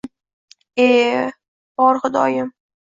E bor Xudoyim…